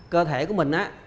cơ thể của mình